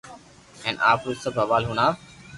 ھين آپرو سب حوال ھڻاو